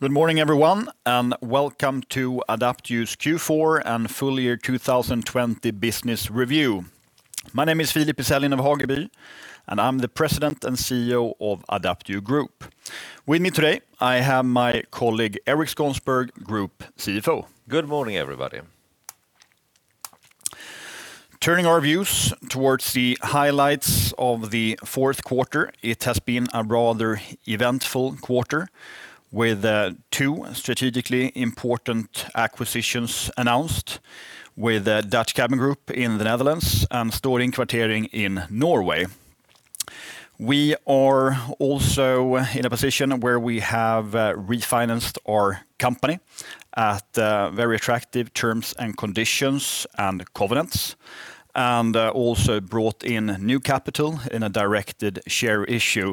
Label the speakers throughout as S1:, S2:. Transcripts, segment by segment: S1: Good morning, everyone, and welcome to Adapteo's Q4 and full year 2020 business review. My name is Philip Isell Lind af Hageby, and I'm the President and CEO of Adapteo Group. With me today, I have my colleague, Erik Skånsberg, Group CFO.
S2: Good morning, everybody.
S1: Turning our views towards the highlights of the fourth quarter, it has been a rather eventful quarter with two strategically important acquisitions announced with Dutch Cabin Group in the Netherlands and Stord Innkvartering in Norway. We are also in a position where we have refinanced our company at very attractive terms and conditions and covenants, and also brought in new capital in a directed share issue,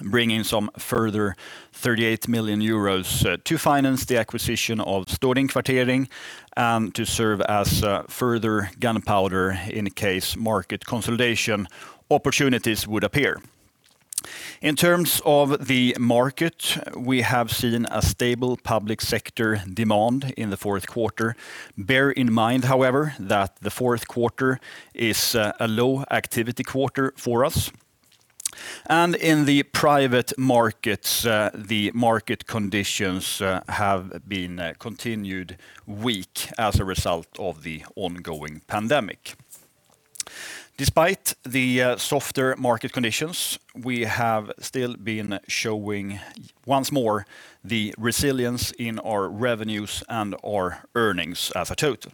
S1: bringing some further 38 million euros to finance the acquisition of Stord Innkvartering, and to serve as further gunpowder in case market consolidation opportunities would appear. In terms of the market, we have seen a stable public sector demand in the fourth quarter. Bear in mind, however, that the fourth quarter is a low activity quarter for us. In the private markets, the market conditions have been continued weak as a result of the ongoing pandemic. Despite the softer market conditions, we have still been showing once more the resilience in our revenues and our earnings as a total.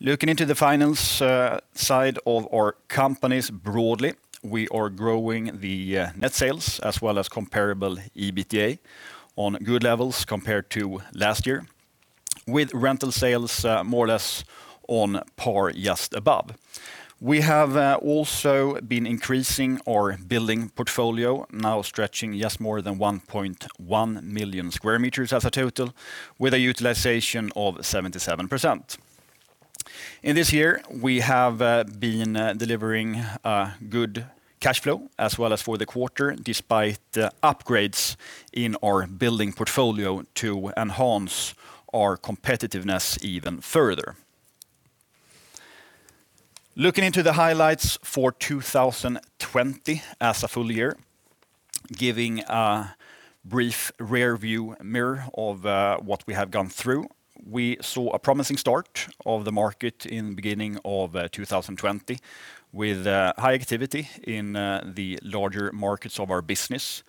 S1: Looking into the finance side of our companies broadly, we are growing the net sales as well as comparable EBITDA on good levels compared to last year, with rental sales more or less on par, just above. We have also been increasing our building portfolio, now stretching just more than 1.1 million sq m as a total, with a utilization of 77%. In this year, we have been delivering good cash flow as well as for the quarter, despite upgrades in our building portfolio to enhance our competitiveness even further. Looking into the highlights for 2020 as a full year, giving a brief rearview mirror of what we have gone through. We saw a promising start of the market in the beginning of 2020 with high activity in the larger markets of our business.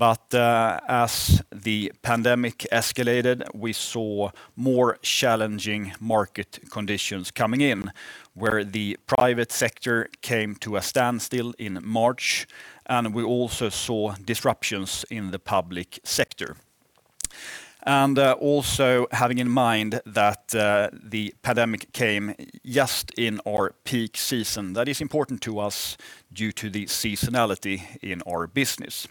S1: As the pandemic escalated, we saw more challenging market conditions coming in, where the private sector came to a standstill in March, and we also saw disruptions in the public sector. Also having in mind that the pandemic came just in our peak season. That is important to us due to the seasonality in our business.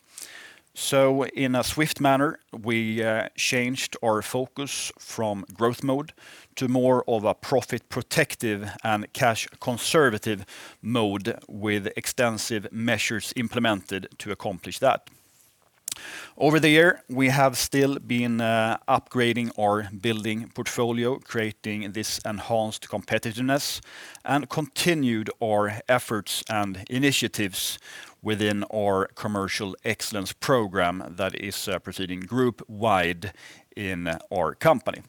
S1: In a swift manner, we changed our focus from growth mode to more of a profit protective and cash conservative mode with extensive measures implemented to accomplish that. Over the year, we have still been upgrading our building portfolio, creating this enhanced competitiveness and continued our efforts and initiatives within our Commercial Excellence program that is proceeding group-wide in our company.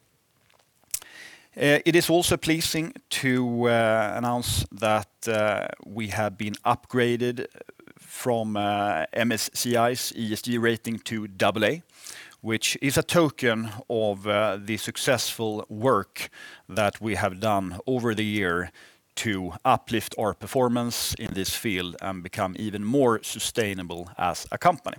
S1: It is also pleasing to announce that we have been upgraded from MSCI's ESG rating to AA, which is a token of the successful work that we have done over the year to uplift our performance in this field and become even more sustainable as a company.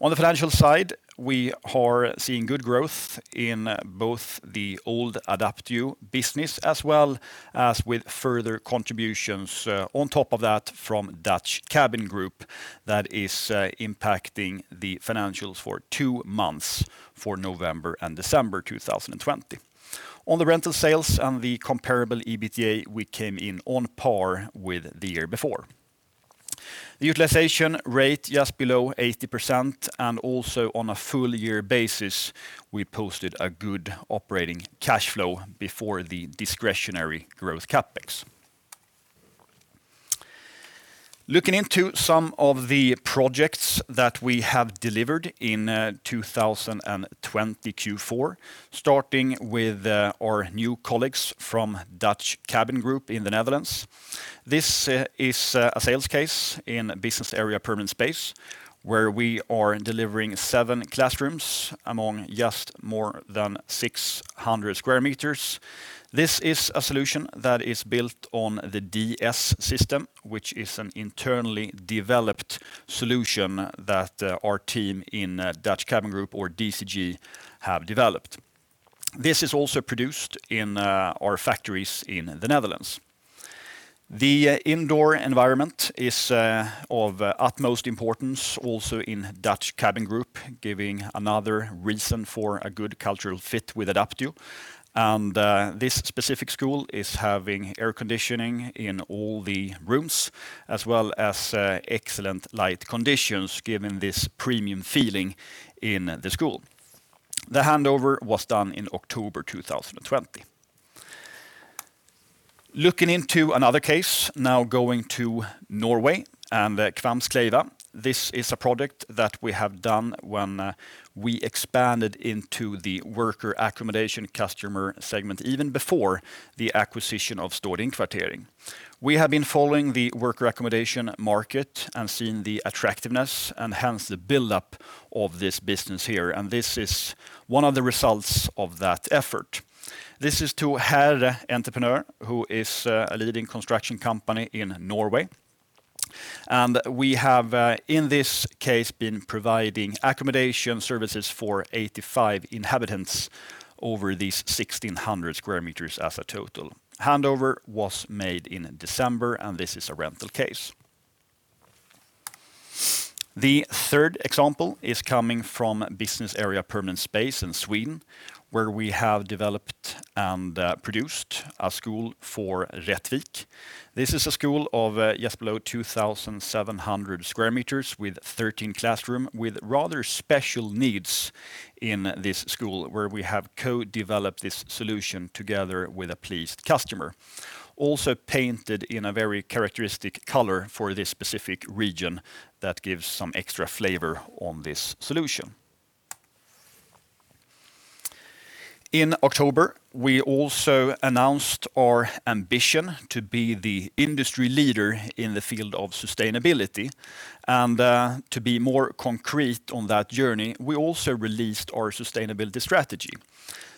S1: On the financial side, we are seeing good growth in both the old Adapteo business as well as with further contributions on top of that from Dutch Cabin Group that is impacting the financials for two months, for November and December 2020. On the rental sales and the comparable EBITDA, we came in on par with the year before. The utilization rate just below 80%, and also on a full year basis, we posted a good operating cash flow before the discretionary growth CapEx. Looking into some of the projects that we have delivered in 2020 Q4, starting with our new colleagues from Dutch Cabin Group in the Netherlands. This is a sales case in business area Permanent Space, where we are delivering seven classrooms among just more than 600 sq m. This is a solution that is built on the DS system, which is an internally developed solution that our team in Dutch Cabin Group or DCG have developed. This is also produced in our factories in the Netherlands. The indoor environment is of utmost importance also in Dutch Cabin Group, giving another reason for a good cultural fit with Adapteo. This specific school is having air conditioning in all the rooms, as well as excellent light conditions, giving this premium feeling in the school. The handover was done in October 2020. Looking into another case, now going to Norway and Kvamskleiva. This is a project that we have done when we expanded into the worker accommodation customer segment, even before the acquisition of Stord Innkvartering. We have been following the worker accommodation market and seen the attractiveness and hence the buildup of this business here. This is one of the results of that effort. This is to Hæhre Entreprenør, who is a leading construction company in Norway. We have, in this case, been providing accommodation services for 85 inhabitants over these 1,600 sq m as a total. Handover was made in December, and this is a rental case. The third example is coming from Business Area Permanent Space in Sweden, where we have developed and produced a school for Rättvik. This is a school of just below 2,700 sq m with 13 classrooms with rather special needs in this school, where we have co-developed this solution together with a pleased customer. Painted in a very characteristic color for this specific region that gives some extra flavor on this solution. In October, we also announced our ambition to be the industry leader in the field of sustainability. To be more concrete on that journey, we also released our sustainability strategy.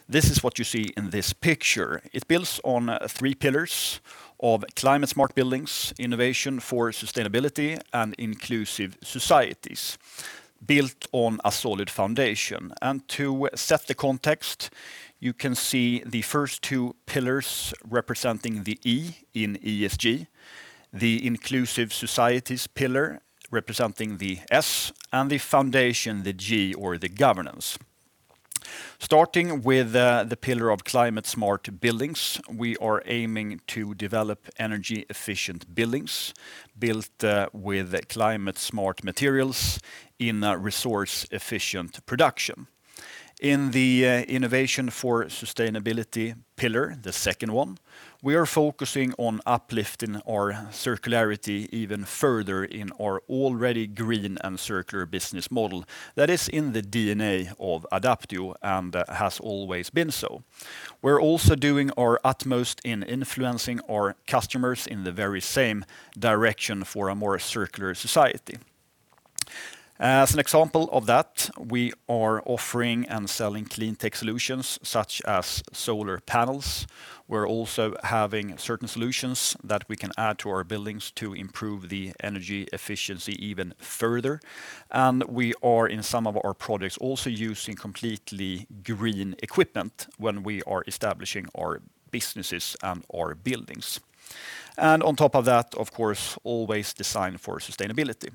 S1: This is what you see in this picture. It builds on three pillars of climate smart buildings, innovation for sustainability, and inclusive societies built on a solid foundation. To set the context, you can see the first two pillars representing the E in ESG, the inclusive societies pillar representing the S, and the foundation, the G or the governance. Starting with the pillar of climate smart buildings, we are aiming to develop energy efficient buildings built with climate smart materials in a resource efficient production. In the innovation for sustainability pillar, the second one, we are focusing on uplifting our circularity even further in our already green and circular business model that is in the DNA of Adapteo and has always been so. We are also doing our utmost in influencing our customers in the very same direction for a more circular society. As an example of that, we are offering and selling clean tech solutions such as solar panels. We are also having certain solutions that we can add to our buildings to improve the energy efficiency even further. We are, in some of our projects, also using completely green equipment when we are establishing our businesses and our buildings. On top of that, of course, always design for sustainability.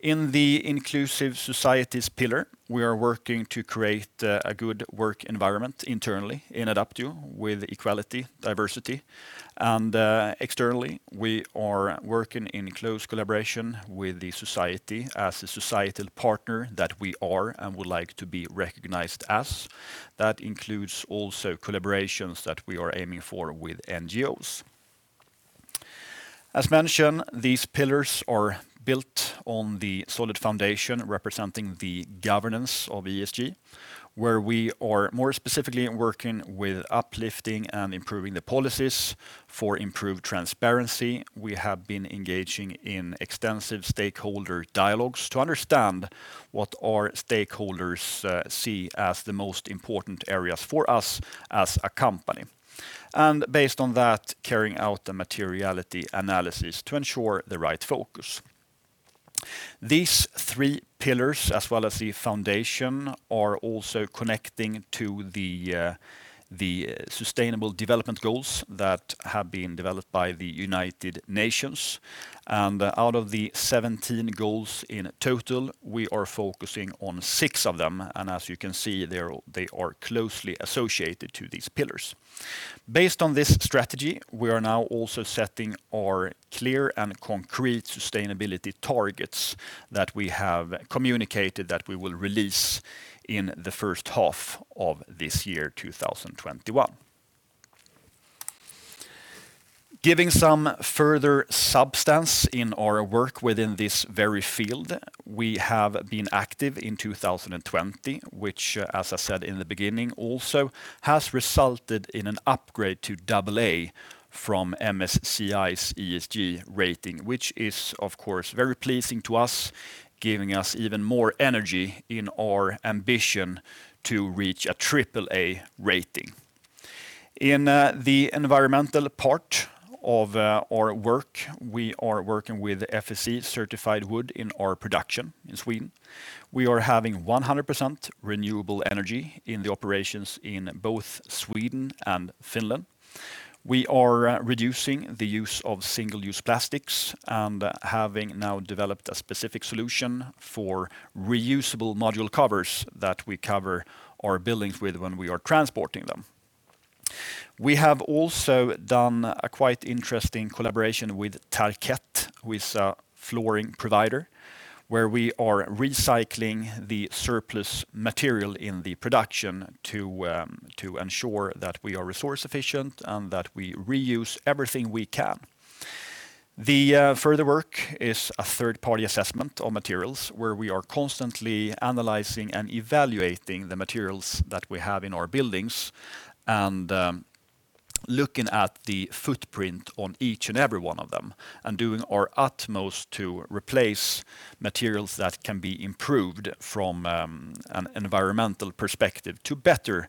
S1: In the inclusive societies pillar, we are working to create a good work environment internally in Adapteo with equality, diversity, and externally we are working in close collaboration with the society as a societal partner that we are and would like to be recognized as. That includes also collaborations that we are aiming for with NGOs. As mentioned, these pillars are built on the solid foundation representing the governance of ESG, where we are more specifically working with uplifting and improving the policies for improved transparency. We have been engaging in extensive stakeholder dialogues to understand what our stakeholders see as the most important areas for us as a company. Based on that, carrying out the materiality analysis to ensure the right focus. These three pillars, as well as the foundation, are also connecting to the Sustainable Development Goals that have been developed by the United Nations. Out of the 17 goals in total, we are focusing on six of them. As you can see, they are closely associated to these pillars. Based on this strategy, we are now also setting our clear and concrete sustainability targets that we have communicated that we will release in the first half of this year, 2021. Giving some further substance in our work within this very field, we have been active in 2020, which, as I said in the beginning, also has resulted in an upgrade to double A from MSCI's ESG rating. Which is of course very pleasing to us, giving us even more energy in our ambition to reach a triple A rating. In the environmental part of our work, we are working with FSC certified wood in our production in Sweden. We are having 100% renewable energy in the operations in both Sweden and Finland. We are reducing the use of single-use plastics and having now developed a specific solution for reusable module covers that we cover our buildings with when we are transporting them. We have also done a quite interesting collaboration with Tarkett, who is a flooring provider, where we are recycling the surplus material in the production to ensure that we are resource efficient and that we reuse everything we can. The further work is a third-party assessment on materials where we are constantly analyzing and evaluating the materials that we have in our buildings and looking at the footprint on each and every one of them and doing our utmost to replace materials that can be improved from an environmental perspective to better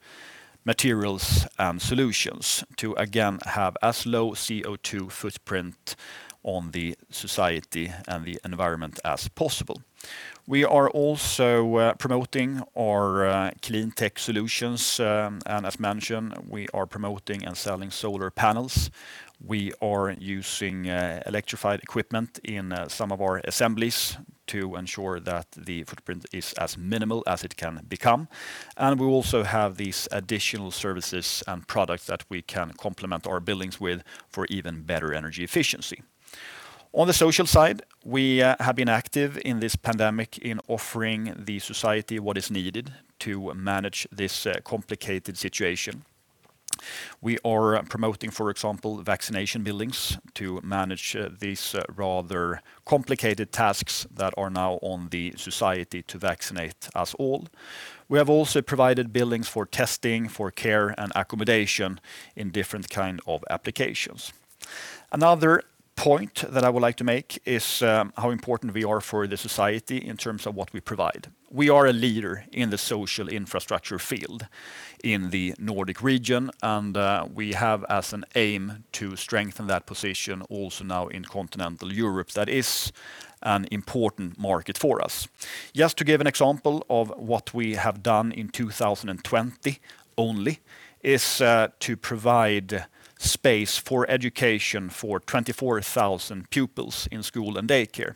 S1: materials and solutions to again have as low CO2 footprint on the society and the environment as possible. We are also promoting our clean tech solutions. As mentioned, we are promoting and selling solar panels. We are using electrified equipment in some of our assemblies to ensure that the footprint is as minimal as it can become. We also have these additional services and products that we can complement our buildings with for even better energy efficiency. On the social side, we have been active in this pandemic in offering the society what is needed to manage this complicated situation. We are promoting, for example, vaccination buildings to manage these rather complicated tasks that are now on the society to vaccinate us all. We have also provided buildings for testing, for care, and accommodation in different kind of applications. Another point that I would like to make is how important we are for the society in terms of what we provide. We are a leader in the social infrastructure field in the Nordic Region, and we have as an aim to strengthen that position also now in Continental Europe. That is an important market for us. Just to give an example of what we have done in 2020 only, is to provide space for education for 24,000 pupils in school and daycare.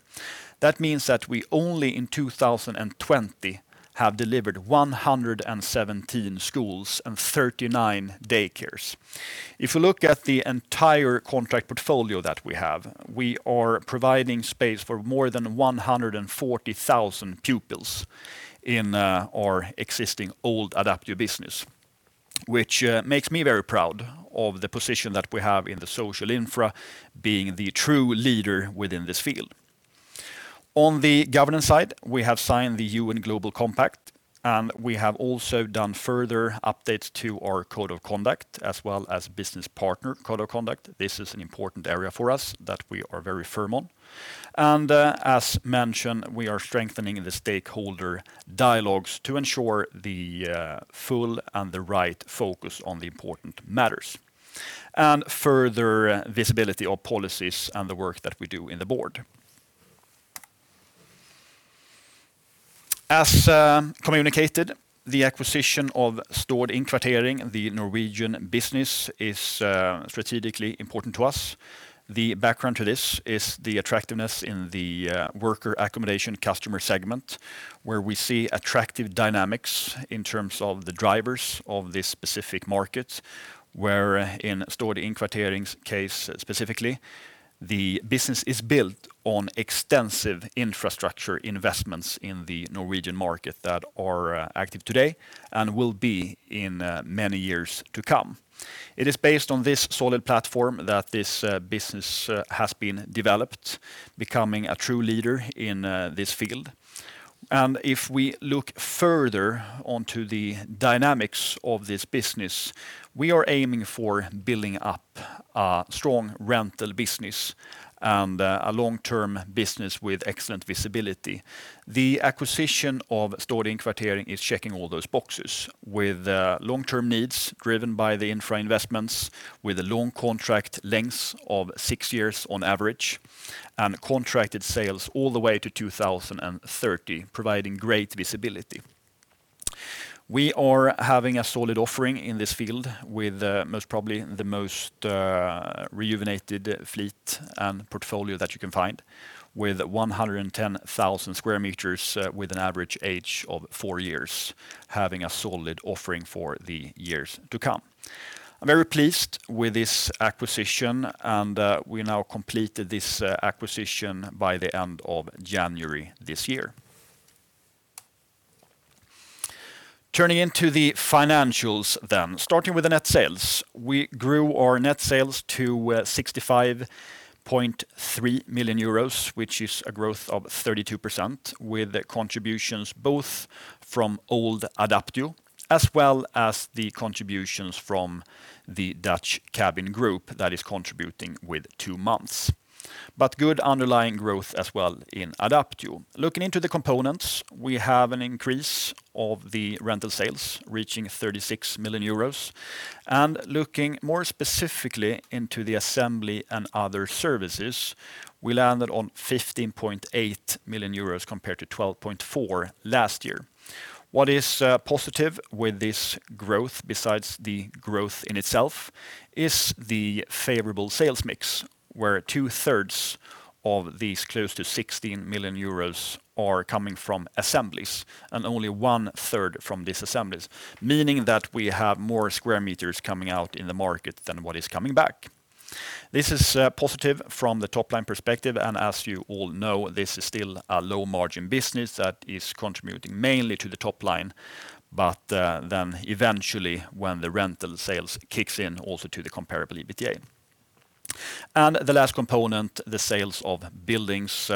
S1: That means that we only in 2020 have delivered 117 schools and 39 daycares. If you look at the entire contract portfolio that we have, we are providing space for more than 140,000 pupils in our existing old Adapteo business, which makes me very proud of the position that we have in the social infra, being the true leader within this field. On the governance side, we have signed the UN Global Compact, and we have also done further updates to our code of conduct as well as business partner code of conduct. This is an important area for us that we are very firm on. As mentioned, we are strengthening the stakeholder dialogues to ensure the full and the right focus on the important matters and further visibility of policies and the work that we do in the board. As communicated, the acquisition of Stord Innkvartering, the Norwegian business, is strategically important to us. The background to this is the attractiveness in the worker accommodation customer segment, where we see attractive dynamics in terms of the drivers of this specific market, where in Stord Innkvartering's case specifically, the business is built on extensive infrastructure investments in the Norwegian market that are active today and will be in many years to come. It is based on this solid platform that this business has been developed, becoming a true leader in this field. If we look further onto the dynamics of this business, we are aiming for building up a strong rental business and a long-term business with excellent visibility. The acquisition of Stord Innkvartering is checking all those boxes with long-term needs driven by the infra investments with a long contract length of six years on average and contracted sales all the way to 2030, providing great visibility. We are having a solid offering in this field with most probably the most rejuvenated fleet and portfolio that you can find with 110,000 sq m with an average age of four years, having a solid offering for the years to come. I'm very pleased with this acquisition, and we now completed this acquisition by the end of January this year. Turning into the financials then. Starting with the net sales. We grew our net sales to €65.3 million, which is a growth of 32% with contributions both from old Adapteo as well as the contributions from the Dutch Cabin Group that is contributing with two months. Good underlying growth as well in Adapteo. Looking into the components, we have an increase of the Rental Space reaching 36 million euros. Looking more specifically into the assembly and other services, we landed on 15.8 million euros compared to 12.4 million last year. What is positive with this growth, besides the growth in itself, is the favorable sales mix, where two-thirds of these close to 16 million euros are coming from assemblies and only one-third from disassemblies, meaning that we have more square meters coming out in the market than what is coming back. This is positive from the top-line perspective. As you all know, this is still a low margin business that is contributing mainly to the top line, but then eventually when the Rental Space kicks in, also to the comparable EBITDA. The last component, the sales of buildings,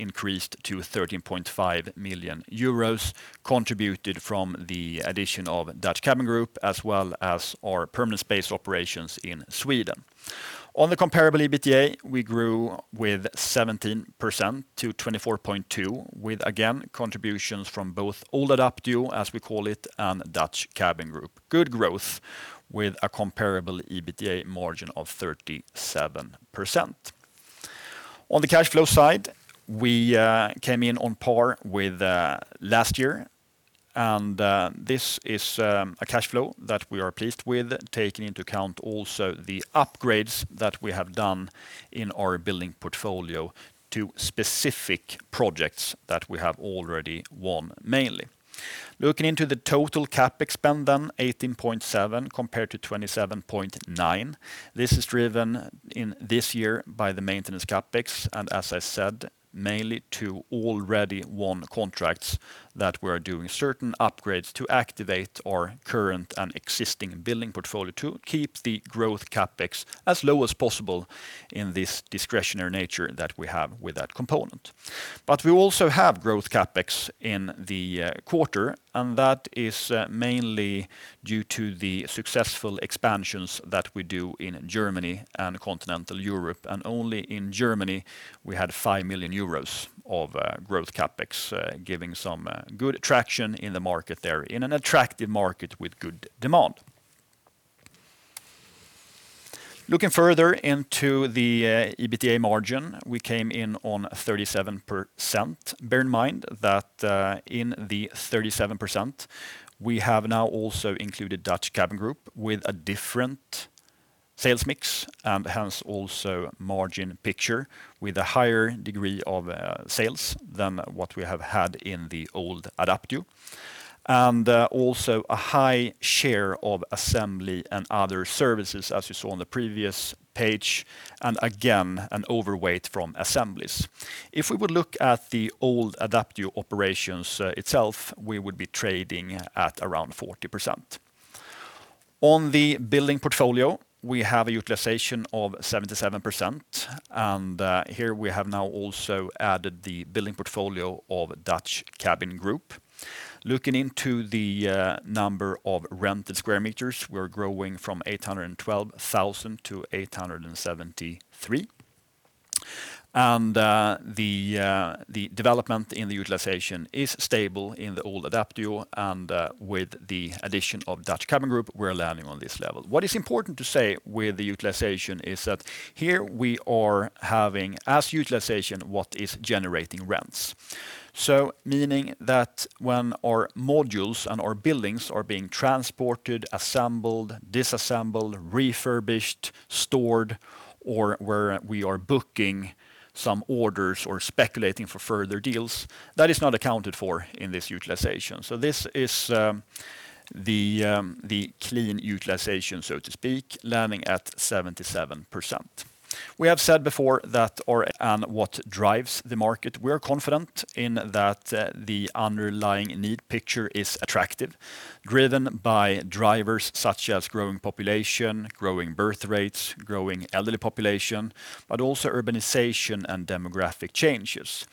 S1: increased to 13.5 million euros, contributed from the addition of Dutch Cabin Group, as well as our Permanent Space operations in Sweden. On the comparable EBITDA, we grew with 17% to 24.2, with, again, contributions from both old Adapteo, as we call it, and Dutch Cabin Group. Good growth with a comparable EBITDA margin of 37%. On the cash flow side, we came in on par with last year, and this is a cash flow that we are pleased with, taking into account also the upgrades that we have done in our building portfolio to specific projects that we have already won, mainly. Looking into the total CapEx spend then, 18.7 compared to 27.9. This is driven in this year by the maintenance CapEx, and as I said, mainly to already won contracts that we're doing certain upgrades to activate our current and existing building portfolio to keep the growth CapEx as low as possible in this discretionary nature that we have with that component. We also have growth CapEx in the quarter, and that is mainly due to the successful expansions that we do in Germany and continental Europe. Only in Germany, we had 5 million euros of growth CapEx, giving some good traction in the market there, in an attractive market with good demand. Looking further into the EBITDA margin, we came in on 37%. Bear in mind that in the 37%, we have now also included Dutch Cabin Group with a different sales mix, and hence also margin picture with a higher degree of sales than what we have had in the old Adapteo. Also a high share of assembly and other services, as you saw on the previous page. Again, an overweight from assemblies. If we would look at the old Adapteo operations itself, we would be trading at around 40%. On the building portfolio, we have a utilization of 77%. Here we have now also added the building portfolio of Dutch Cabin Group. Looking into the number of rented square meters, we're growing from 812,000 to 873. The development in the utilization is stable in the old Adapteo. With the addition of Dutch Cabin Group, we're landing on this level. What is important to say with the utilization is that here we are having as utilization what is generating rents. Meaning that when our modules and our buildings are being transported, assembled, disassembled, refurbished, stored, or where we are booking some orders or speculating for further deals, that is not accounted for in this utilization. This is the clean utilization, so to speak, landing at 77%. We have said before that. What drives the market. We are confident in that the underlying need picture is attractive, driven by drivers such as growing population, growing birth rates, growing elderly population, but also urbanization and demographic changes.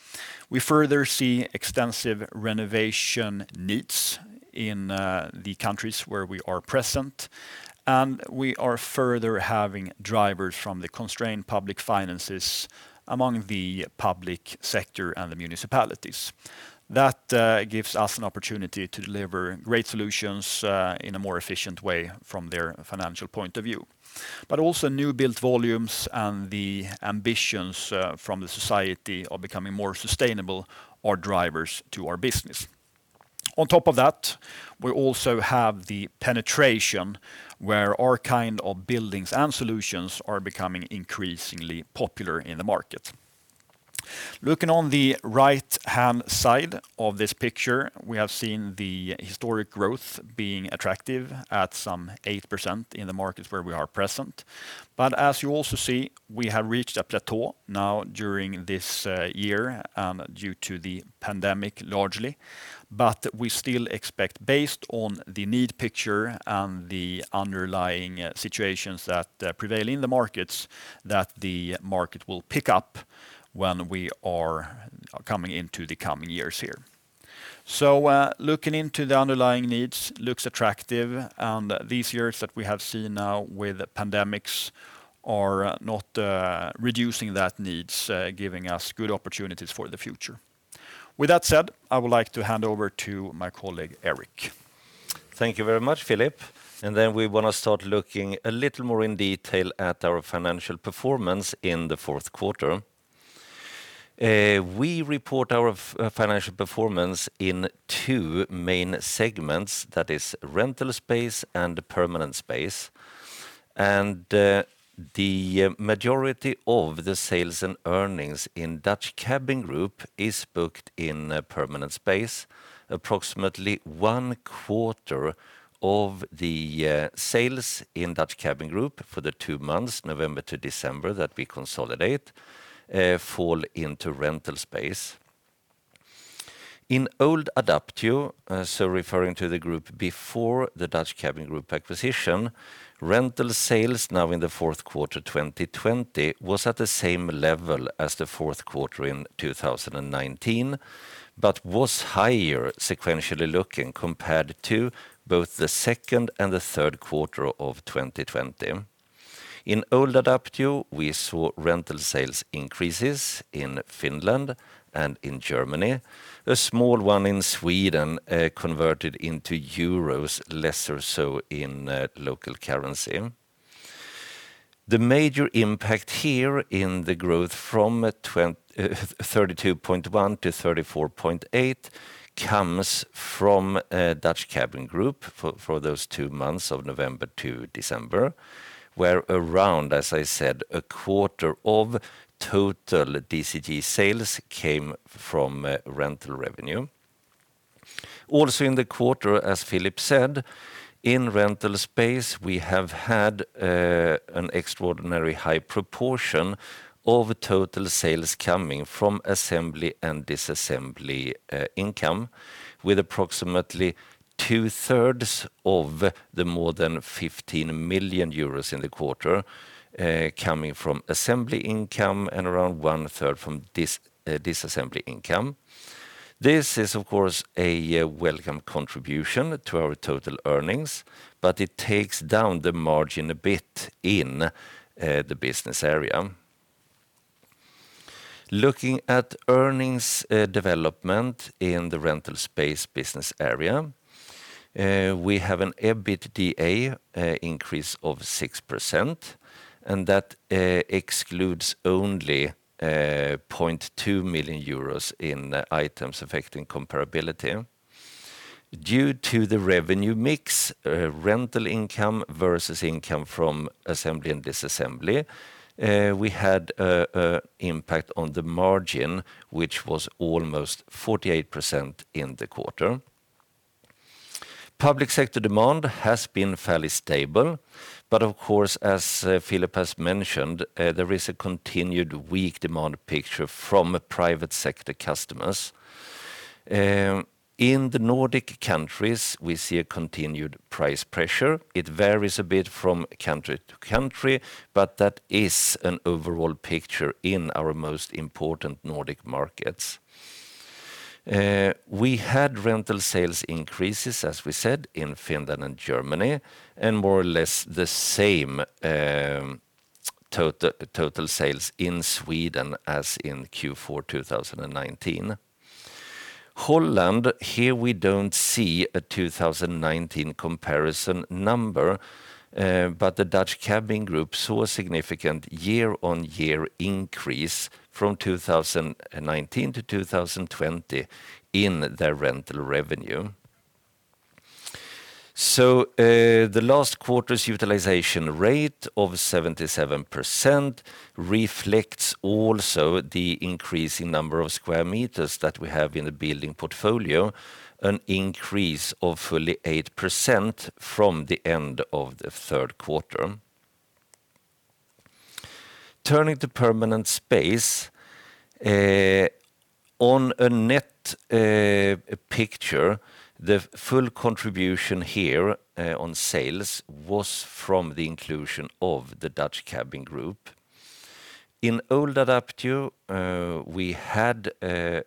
S1: We further see extensive renovation needs in the countries where we are present, and we are further having drivers from the constrained public finances among the public sector and the municipalities. That gives us an opportunity to deliver great solutions in a more efficient way from their financial point of view. Also new build volumes and the ambitions from the society of becoming more sustainable are drivers to our business. On top of that, we also have the penetration where our kind of buildings and solutions are becoming increasingly popular in the market. Looking on the right-hand side of this picture, we have seen the historic growth being attractive at some 8% in the markets where we are present. As you also see, we have reached a plateau now during this year due to the pandemic, largely. We still expect, based on the need picture and the underlying situations that prevail in the markets, that the market will pick up when we are coming into the coming years here. Looking into the underlying needs looks attractive. These years that we have seen now with pandemics are not reducing that needs, giving us good opportunities for the future. With that said, I would like to hand over to my colleague, Erik.
S2: Thank you very much, Philip. We want to start looking a little more in detail at our financial performance in the fourth quarter. We report our financial performance in two main segments: that is Rental Space and Permanent Space. The majority of the sales and earnings in Dutch Cabin Group is booked in Permanent Space. Approximately one quarter of the sales in Dutch Cabin Group for the two months, November to December, that we consolidate, fall into Rental Space. In old Adapteo, so referring to the group before the Dutch Cabin Group acquisition, rental sales now in the fourth quarter 2020 was at the same level as the fourth quarter in 2019, but was higher sequentially looking compared to both the second and the third quarter of 2020. In old Adapteo, we saw rental sales increases in Finland and in Germany. A small one in Sweden, converted into euros, less so in local currency. The major impact here in the growth from 32.1 to 34.8 comes from Dutch Cabin Group for those two months of November to December, where around, as I said, a quarter of total DCG sales came from rental revenue. In the quarter, as Philip said, in Rental Space, we have had an extraordinarily high proportion of total sales coming from assembly and disassembly income, with approximately two-thirds of the more than 15 million euros in the quarter coming from assembly income and around one-third from disassembly income. This is, of course, a welcome contribution to our total earnings, but it takes down the margin a bit in the business area. Looking at earnings development in the Rental Space business area, we have an EBITDA increase of 6%, and that excludes only 0.2 million euros in items affecting comparability. Due to the revenue mix, rental income versus income from assembly and disassembly, we had an impact on the margin, which was almost 48% in the quarter. Public sector demand has been fairly stable, but of course, as Philip has mentioned, there is a continued weak demand picture from private sector customers. In the Nordic countries, we see a continued price pressure. It varies a bit from country to country, but that is an overall picture in our most important Nordic markets. We had rental sales increases, as we said, in Finland and Germany, and more or less the same total sales in Sweden as in Q4 2019. Holland, here we don't see a 2019 comparison number, but the Dutch Cabin Group saw a significant year-on-year increase from 2019 to 2020 in their rental revenue. The last quarter's utilization rate of 77% reflects also the increasing number of square meters that we have in the building portfolio, an increase of fully 8% from the end of the third quarter. Turning to Permanent Space. On a net picture, the full contribution here on sales was from the inclusion of the Dutch Cabin Group. In old Adapteo, we had a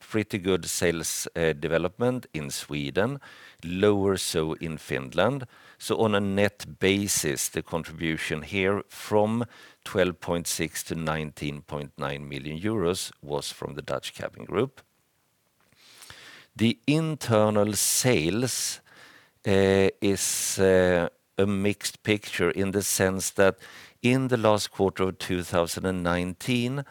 S2: pretty good sales development in Sweden, lower so in Finland. On a net basis, the contribution here from 12.6 to 19.9 million euros was from the Dutch Cabin Group. The internal sales is a mixed picture in the sense that in the last quarter of 2019,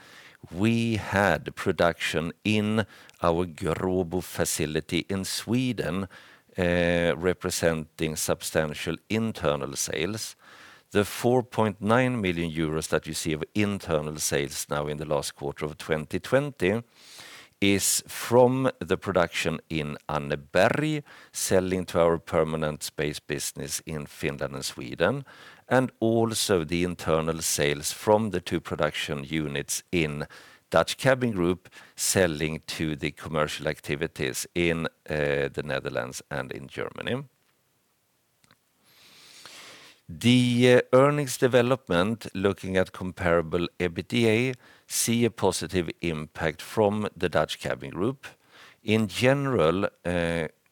S2: we had production in our Gråbo facility in Sweden, representing substantial internal sales. The 4.9 million euros that you see of internal sales now in the last quarter of 2020 is from the production in Anneberg, selling to our Permanent Space business in Finland and Sweden, and also the internal sales from the two production units in Dutch Cabin Group, selling to the commercial activities in the Netherlands and in Germany. The earnings development, looking at comparable EBITDA, see a positive impact from the Dutch Cabin Group. In general,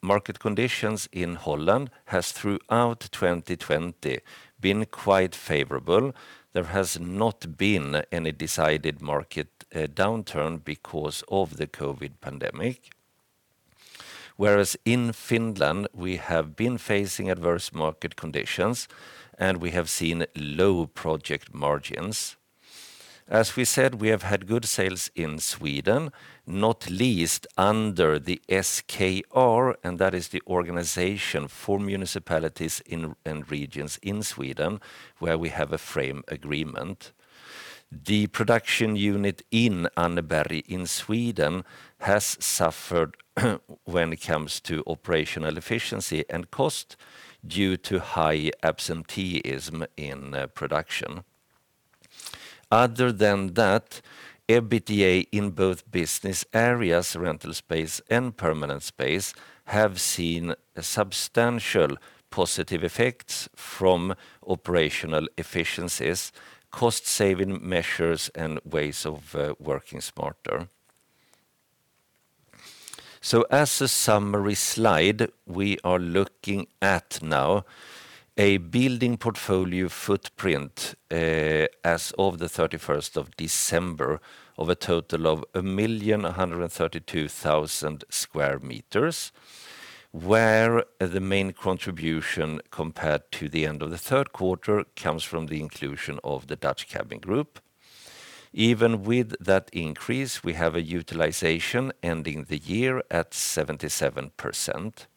S2: market conditions in Holland has, throughout 2020, been quite favorable. There has not been any decided market downturn because of the COVID pandemic. Whereas in Finland, we have been facing adverse market conditions, and we have seen low project margins. As we said, we have had good sales in Sweden, not least under the SKR, and that is the organization for municipalities and regions in Sweden, where we have a frame agreement. The production unit in Anneberg in Sweden has suffered when it comes to operational efficiency and cost due to high absenteeism in production. Other than that, EBITDA in both business areas, Rental Space and Permanent Space, have seen substantial positive effects from operational efficiencies, cost-saving measures, and ways of working smarter. As a summary slide, we are looking at now a building portfolio footprint, as of the 31st of December, of a total of 1,132,000 square meters, where the main contribution compared to the end of the third quarter comes from the inclusion of the Dutch Cabin Group. Even with that increase, we have a utilization ending the year at 77%.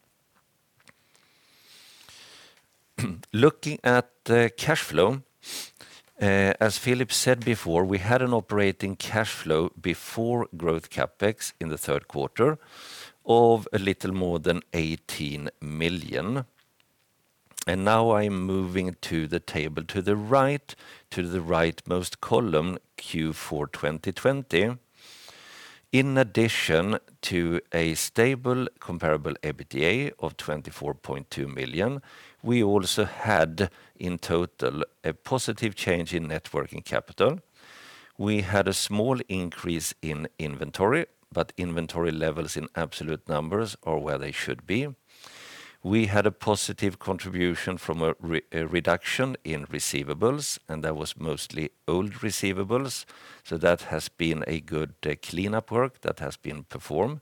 S2: Looking at cash flow, as Philip said before, we had an operating cash flow before growth CapEx in the third quarter of a little more than 18 million. Now I'm moving to the table to the right, to the rightmost column, Q4 2020. In addition to a stable comparable EBITDA of 24.2 million, we also had, in total, a positive change in net working capital. We had a small increase in inventory, but inventory levels in absolute numbers are where they should be. We had a positive contribution from a reduction in receivables, and that was mostly old receivables. That has been a good cleanup work that has been performed.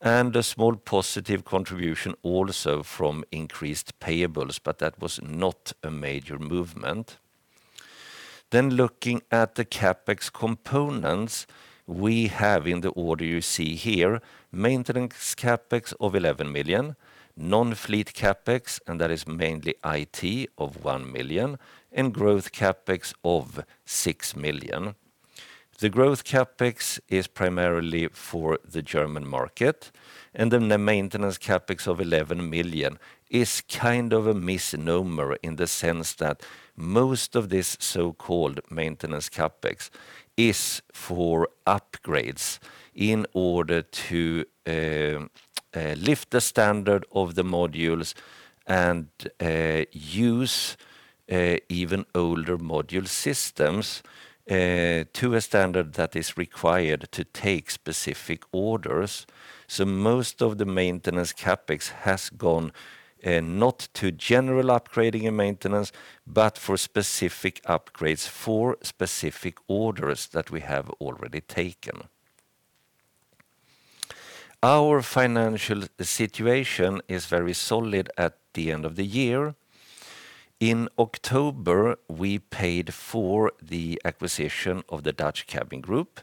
S2: A small positive contribution also from increased payables, but that was not a major movement. Looking at the CapEx components, we have in the order you see here, maintenance CapEx of 11 million, non-fleet CapEx, and that is mainly IT, of 1 million, and growth CapEx of 6 million. The growth CapEx is primarily for the German market, and the maintenance CapEx of 11 million is kind of a misnomer in the sense that most of this so-called maintenance CapEx is for upgrades in order to lift the standard of the modules and use even older module systems to a standard that is required to take specific orders. Most of the maintenance CapEx has gone not to general upgrading and maintenance, but for specific upgrades for specific orders that we have already taken. Our financial situation is very solid at the end of the year. In October, we paid for the acquisition of the Dutch Cabin Group.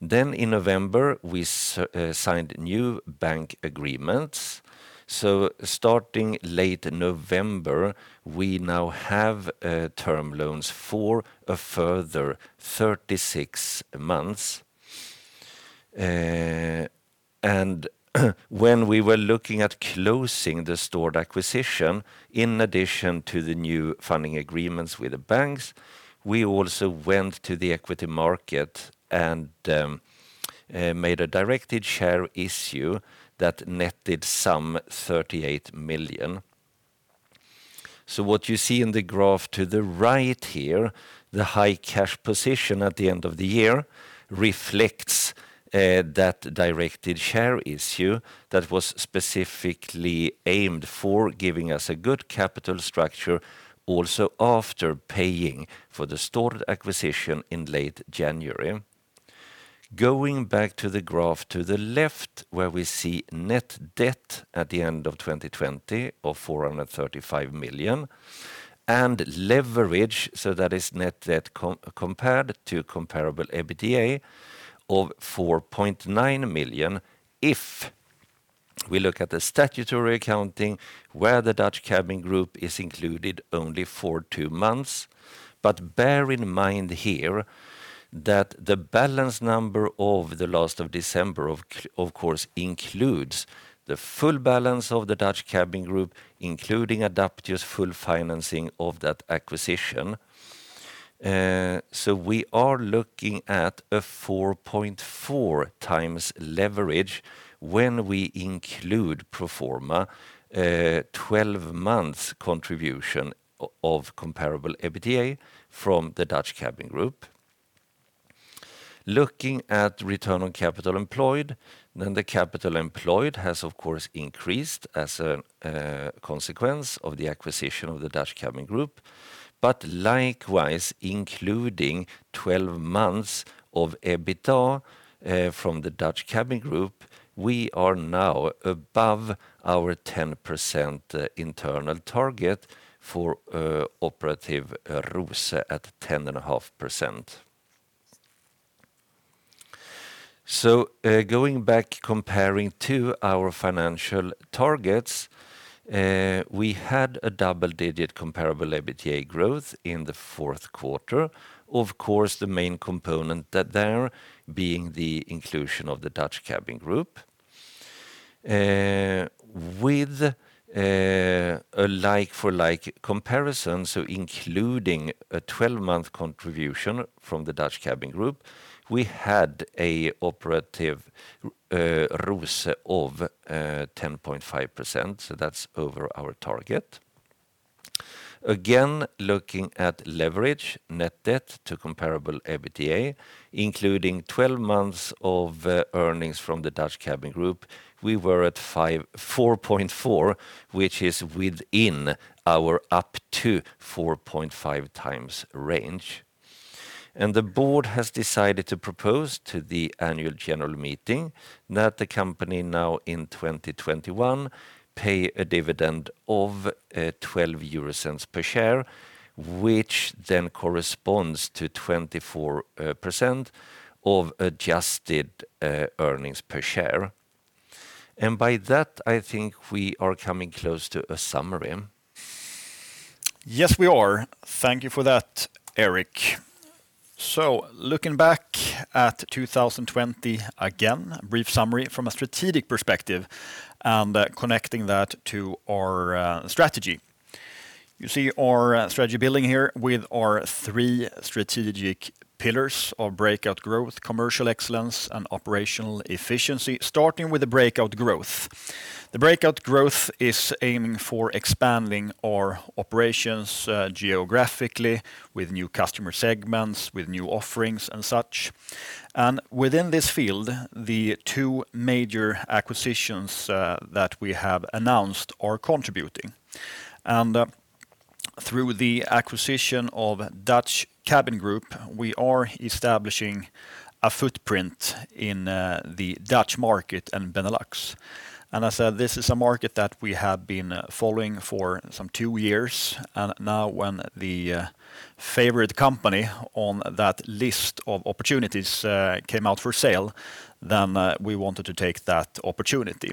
S2: In November, we signed new bank agreements. Starting late November, we now have term loans for a further 36 months. When we were looking at closing the Stord acquisition, in addition to the new funding agreements with the banks, we also went to the equity market and made a directed share issue that netted some 38 million. What you see in the graph to the right here, the high cash position at the end of the year reflects that directed share issue that was specifically aimed for giving us a good capital structure, also after paying for the Stord acquisition in late January. Going back to the graph to the left, where we see net debt at the end of 2020 of 435 million, and leverage, so that is net debt compared to comparable EBITDA of 4.9, if we look at the statutory accounting, where the Dutch Cabin Group is included only for two months. Bear in mind here that the balance number of the last of December, of course, includes the full balance of the Dutch Cabin Group, including Adapteo's full financing of that acquisition. We are looking at a 4.4x leverage when we include pro forma 12 months contribution of comparable EBITDA from the Dutch Cabin Group. Looking at return on capital employed, the capital employed has, of course, increased as a consequence of the acquisition of the Dutch Cabin Group. Likewise, including 12 months of EBITDA from the Dutch Cabin Group, we are now above our 10% internal target for operative ROCE at 10.5%. Going back, comparing to our financial targets, we had a double-digit comparable EBITDA growth in the fourth quarter. Of course, the main component there being the inclusion of the Dutch Cabin Group. With a like-for-like comparison, including a 12-month contribution from the Dutch Cabin Group, we had an operative ROCE of 10.5%, that's over our target. Looking at leverage, net debt to comparable EBITDA, including 12 months of earnings from the Dutch Cabin Group, we were at 4.4, which is within our up to 4.5x range. The board has decided to propose to the annual general meeting that the company now in 2021 pay a dividend of 0.12 per share, which corresponds to 24% of adjusted earnings per share. By that, I think we are coming close to a summary.
S1: Yes, we are. Thank you for that, Erik. Looking back at 2020, again, a brief summary from a strategic perspective and connecting that to our strategy. You see our strategy building here with our three strategic pillars of Breakout Growth, Commercial Excellence, and Operational Efficiency. Starting with the Breakout Growth. The Breakout Growth is aiming for expanding our operations geographically with new customer segments, with new offerings and such. Within this field, the two major acquisitions that we have announced are contributing. Through the acquisition of Dutch Cabin Group, we are establishing a footprint in the Dutch market and Benelux. As I said, this is a market that we have been following for some two years. Now when the favorite company on that list of opportunities came out for sale, we wanted to take that opportunity.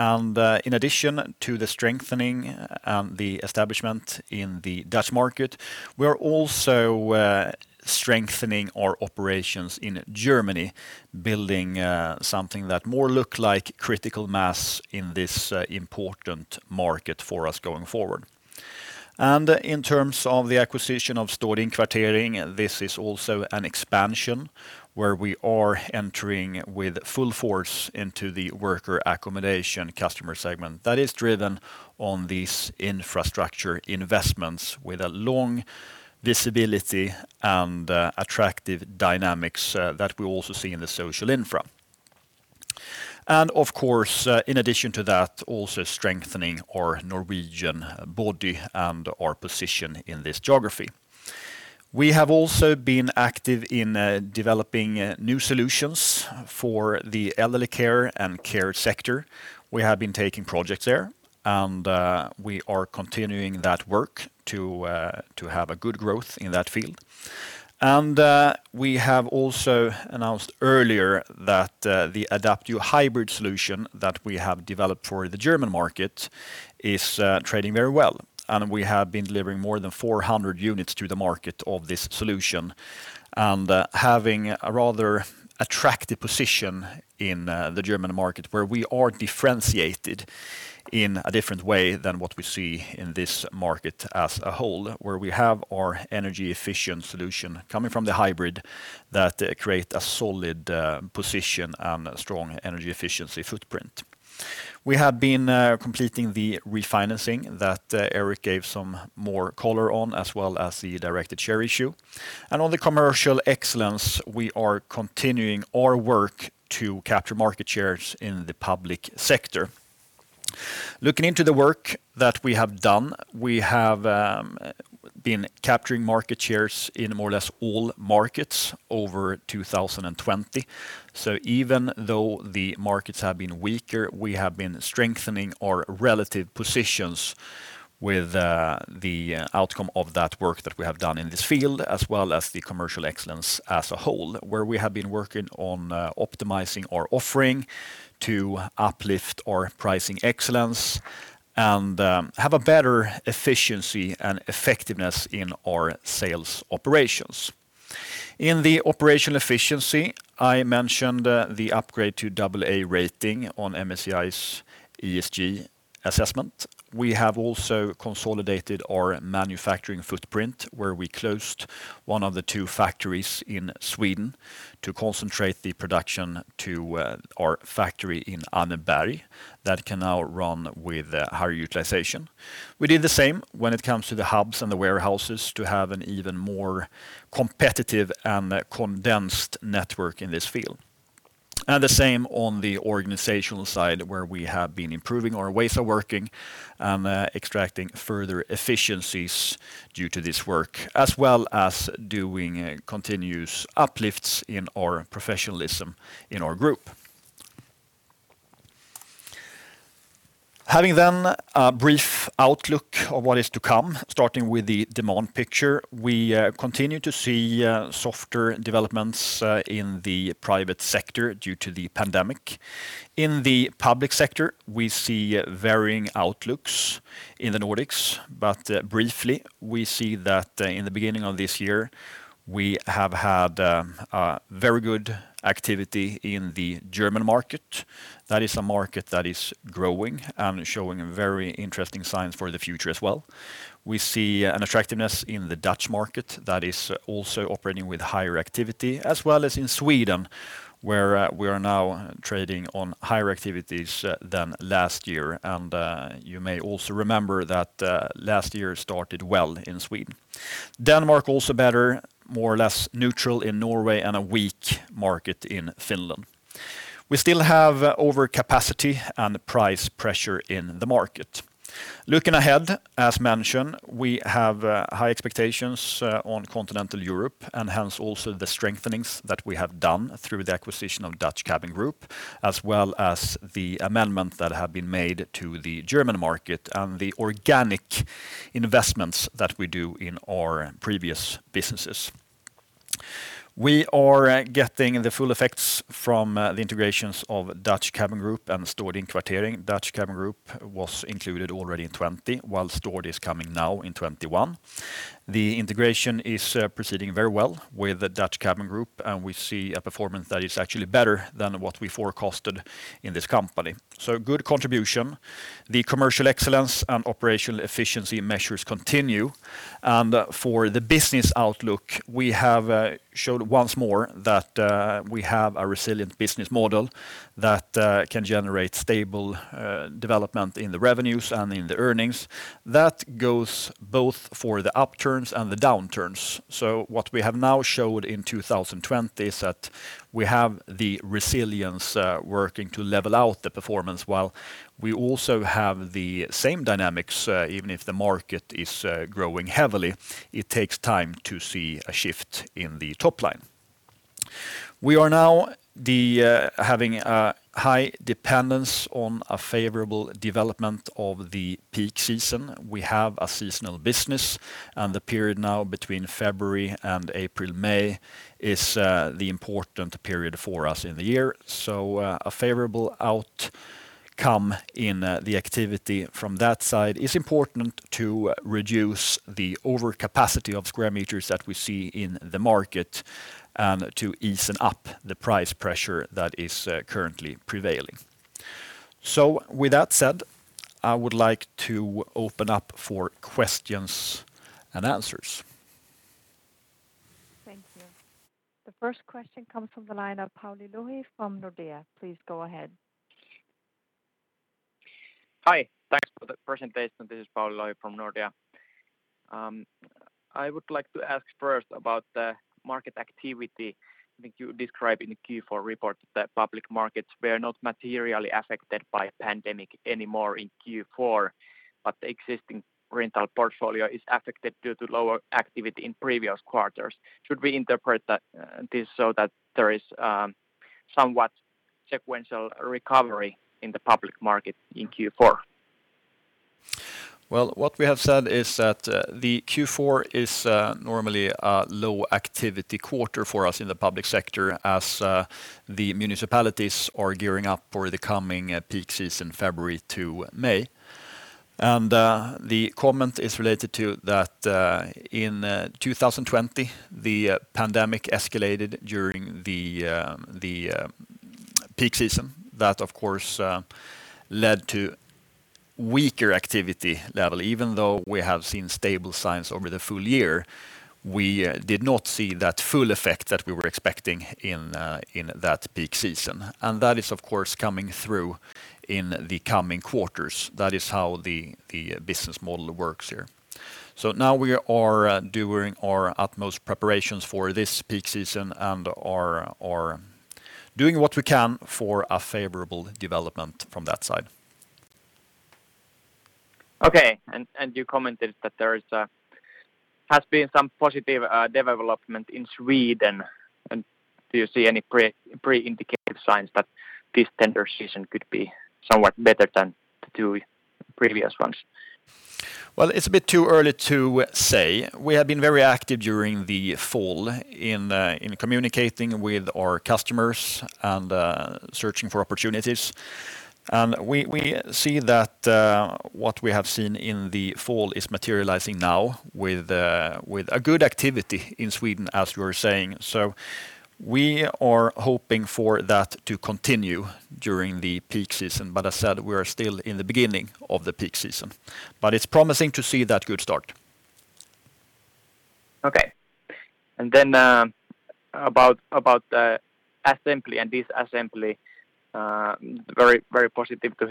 S1: In addition to the strengthening and the establishment in the Dutch market, we are also strengthening our operations in Germany, building something that more look like critical mass in this important market for us going forward. In terms of the acquisition of Stord Innkvartering, this is also an expansion where we are entering with full force into the worker accommodation customer segment that is driven on these infrastructure investments with a long visibility and attractive dynamics that we also see in the social infra. Of course, in addition to that, also strengthening our Norwegian body and our position in this geography. We have also been active in developing new solutions for the elderly care and care sector. We have been taking projects there, and we are continuing that work to have a good growth in that field. We have also announced earlier that the Adapteo Hybrid solution that we have developed for the German market is trading very well. We have been delivering more than 400 units to the market of this solution and having a rather attractive position in the German market where we are differentiated in a different way than what we see in this market as a whole, where we have our energy efficient solution coming from the hybrid that create a solid position and strong energy efficiency footprint. We have been completing the refinancing that Erik gave some more color on, as well as the directed share issue. On the commercial excellence, we are continuing our work to capture market shares in the public sector. Looking into the work that we have done, we have been capturing market shares in more or less all markets over 2020. Even though the markets have been weaker, we have been strengthening our relative positions with the outcome of that work that we have done in this field, as well as the commercial excellence as a whole, where we have been working on optimizing our offering to uplift our pricing excellence and have a better efficiency and effectiveness in our sales operations. In the operational efficiency, I mentioned the upgrade to AA rating on MSCI's ESG assessment. We have also consolidated our manufacturing footprint where we closed one of the two factories in Sweden to concentrate the production to our factory in Anneberg that can now run with higher utilization. We did the same when it comes to the hubs and the warehouses to have an even more competitive and condensed network in this field. The same on the organizational side, where we have been improving our ways of working and extracting further efficiencies due to this work, as well as doing continuous uplifts in our professionalism in our group. Having then a brief outlook of what is to come, starting with the demand picture. We continue to see softer developments in the private sector due to the pandemic. In the public sector, we see varying outlooks in the Nordics. Briefly, we see that in the beginning of this year, we have had very good activity in the German market. That is a market that is growing and showing very interesting signs for the future as well. We see an attractiveness in the Dutch market that is also operating with higher activity, as well as in Sweden, where we are now trading on higher activities than last year. You may also remember that last year started well in Sweden. Denmark also better, more or less neutral in Norway, and a weak market in Finland. We still have overcapacity and price pressure in the market. Looking ahead, as mentioned, we have high expectations on continental Europe, and hence also the strengthenings that we have done through the acquisition of Dutch Cabin Group, as well as the amendment that have been made to the German market and the organic investments that we do in our previous businesses. We are getting the full effects from the integrations of Dutch Cabin Group and Stord Innkvartering. Dutch Cabin Group was included already in 2020, while Stord is coming now in 2021. The integration is proceeding very well with the Dutch Cabin Group, and we see a performance that is actually better than what we forecasted in this company. Good contribution. The commercial excellence and operational efficiency measures continue. For the business outlook, we have showed once more that we have a resilient business model that can generate stable development in the revenues and in the earnings. That goes both for the upturns and the downturns. What we have now showed in 2020 is that we have the resilience working to level out the performance, while we also have the same dynamics, even if the market is growing heavily. It takes time to see a shift in the top line. We are now having a high dependence on a favorable development of the peak season. We have a seasonal business, the period now between February and April, May is the important period for us in the year. A favorable outcome in the activity from that side is important to reduce the overcapacity of square meters that we see in the market and to ease up the price pressure that is currently prevailing. With that said, I would like to open up for questions and answers.
S3: Thank you. The first question comes from the line of Pauli Loikkanen from Nordea. Please go ahead.
S4: Hi. Thanks for the presentation. This is Pauli Loikkanen from Nordea. I would like to ask first about the market activity. I think you described in the Q4 report that public markets were not materially affected by pandemic anymore in Q4, but the existing rental portfolio is affected due to lower activity in previous quarters. Should we interpret this so that there is somewhat sequential recovery in the public market in Q4?
S1: Well, what we have said is that the Q4 is normally a low activity quarter for us in the public sector as the municipalities are gearing up for the coming peak season, February to May. The comment is related to that in 2020, the pandemic escalated during the peak season. That, of course, led to weaker activity level. Even though we have seen stable signs over the full year, we did not see that full effect that we were expecting in that peak season. That is, of course, coming through in the coming quarters. That is how the business model works here. Now we are doing our utmost preparations for this peak season and are doing what we can for a favorable development from that side.
S4: Okay. You commented that there has been some positive development in Sweden. Do you see any pre-indicative signs that this tender season could be somewhat better than the two previous ones?
S1: Well, it's a bit too early to say. We have been very active during the fall in communicating with our customers and searching for opportunities. We see that what we have seen in the fall is materializing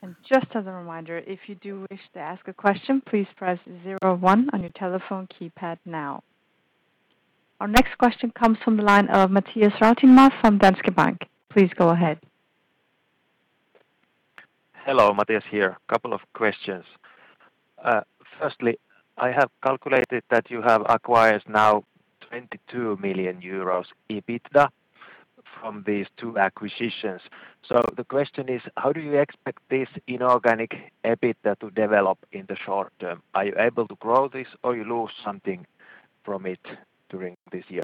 S1: now with a good activity in Sweden, as you were saying. We are hoping for that to continue during the peak season. As said, we are still in the beginning of the peak season. It's promising to see that good start.
S4: Okay. About assembly and disassembly. Very positive to hear that two-thirds of that are for assemblies. Where are these new projects coming from?
S1: It's mainly in our two largest Nordic markets and in Germany.
S4: Okay. Thank you. No further questions from me.
S2: Thank you.
S3: Our next question comes from the line of Matias Rautionmaa from Danske Bank. Please go ahead.
S5: Hello, Matias here. Couple of questions. I have calculated that you have acquired now 22 million euros EBITDA from these two acquisitions. The question is, how do you expect this inorganic EBITDA to develop in the short term? Are you able to grow this, or you lose something from it during this year?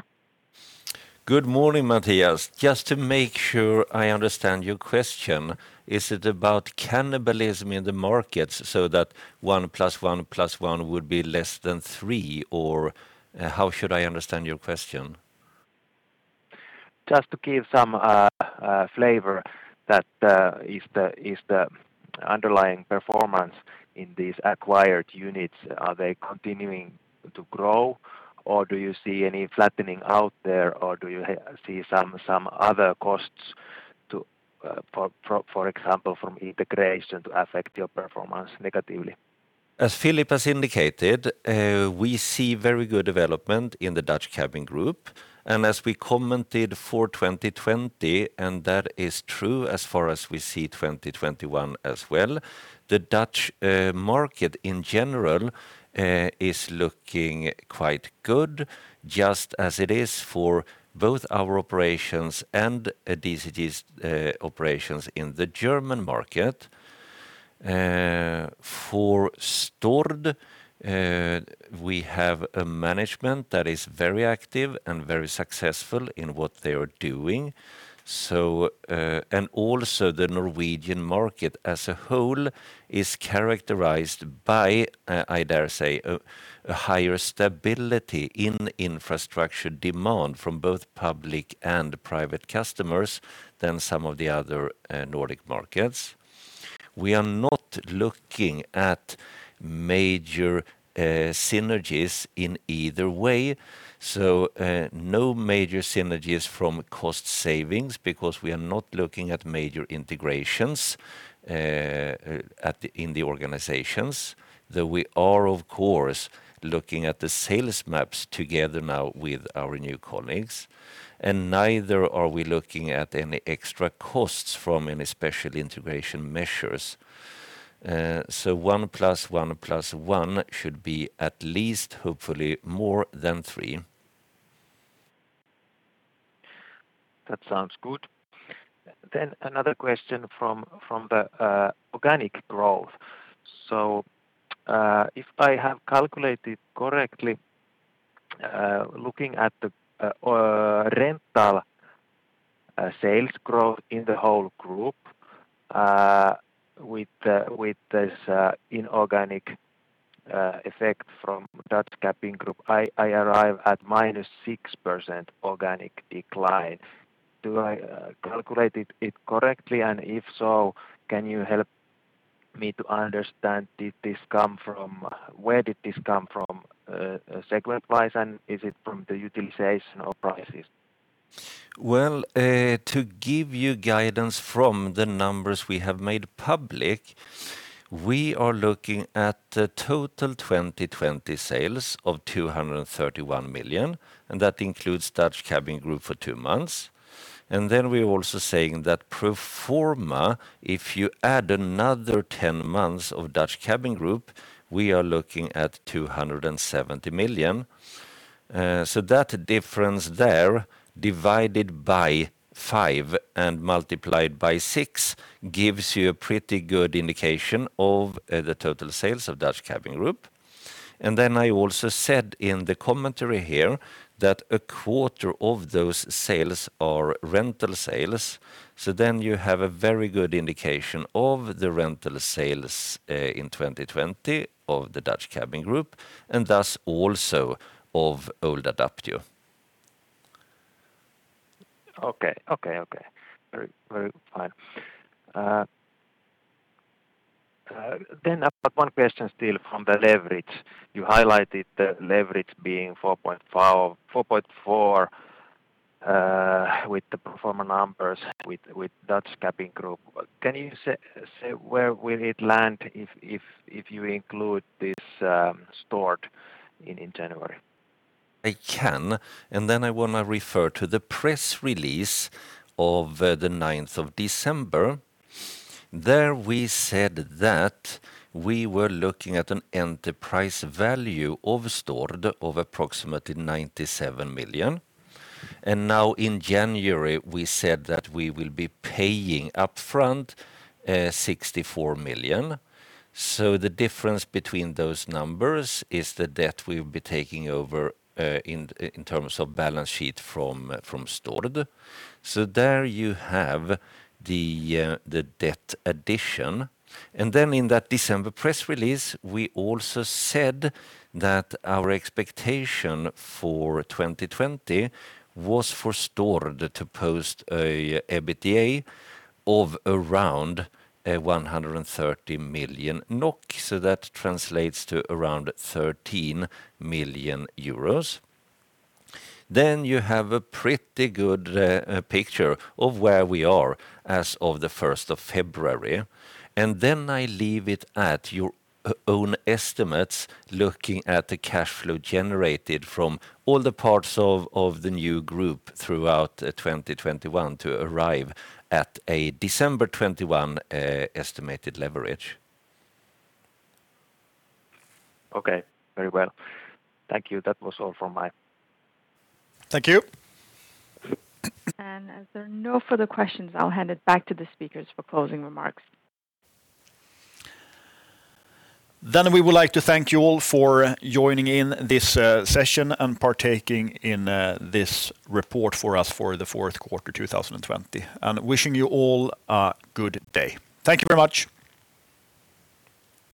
S2: Good morning, Matias. Just to make sure I understand your question, is it about cannibalism in the markets so that one plus one plus one would be less than three? Or how should I understand your question?
S5: Just to give some flavor that is the underlying performance in these acquired units, are they continuing to grow, or do you see any flattening out there, or do you see some other costs, for example, from integration to affect your performance negatively?
S2: As Philip has indicated, we see very good development in the Dutch Cabin Group. As we commented for 2020, and that is true as far as we see 2021 as well, the Dutch market in general is looking quite good, just as it is for both our operations and DCG's operations in the German market. For Stord, we have a management that is very active and very successful in what they are doing. Also the Norwegian market as a whole is characterized by, I dare say, a higher stability in infrastructure demand from both public and private customers than some of the other Nordic markets. We are not looking at major synergies in either way, so no major synergies from cost savings because we are not looking at major integrations in the organizations, though we are, of course, looking at the sales maps together now with our new colleagues. Neither are we looking at any extra costs from any special integration measures. One plus one plus one should be at least, hopefully, more than three.
S5: That sounds good. Another question from the organic growth. If I have calculated correctly, looking at the rental sales growth in the whole group, with this inorganic effect from Dutch Cabin Group, I arrive at -6% organic decline. Do I calculate it correctly? If so, can you help me to understand where did this come from segment wise, and is it from the utilization or prices?
S2: To give you guidance from the numbers we have made public, we are looking at total 2020 sales of 231 million, and that includes Dutch Cabin Group for two months. We are also saying that pro forma, if you add another 10 months of Dutch Cabin Group, we are looking at 270 million. That difference there, divided by five and multiplied by six, gives you a pretty good indication of the total sales of Dutch Cabin Group. I also said in the commentary here that a quarter of those sales are rental sales. You have a very good indication of the rental sales in 2020 of the Dutch Cabin Group, and thus also of old Adapteo.
S5: Okay. Very fine. I've got one question still from the leverage. You highlighted the leverage being 4.4 with the pro forma numbers with Dutch Cabin Group. Can you say where will it land if you include this Stord in January?
S2: I can, I want to refer to the press release of the 9th of December. There we said that we were looking at an enterprise value of Stord of approximately 97 million. Now in January, we said that we will be paying upfront, 64 million. The difference between those numbers is the debt we'll be taking over in terms of balance sheet from Stord. There you have the debt addition. In that December press release, we also said that our expectation for 2020 was for Stord to post a EBITDA of around 130 million NOK, so that translates to around EUR 13 million. You have a pretty good picture of where we are as of the 1st of February. I leave it at your own estimates, looking at the cash flow generated from all the parts of the new group throughout 2021 to arrive at a December 2021 estimated leverage.
S5: Okay. Very well. Thank you. That was all from my-
S1: Thank you.
S3: As there are no further questions, I'll hand it back to the speakers for closing remarks.
S2: We would like to thank you all for joining in this session and partaking in this report for us for the fourth quarter 2020. Wishing you all a good day. Thank you very much.